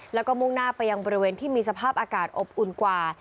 แล้วก็มุ่งหน้าไปยังบริเวณที่มีสภาพอากาศอบอุ่นกว่า